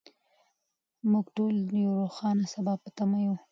موږ ټول د یو روښانه سبا په تمه یو.